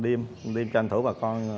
điêm điêm tranh thủ bà con